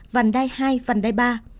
vành đai hai vành đai ba